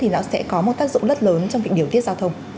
rất lớn trong việc điều thiết giao thông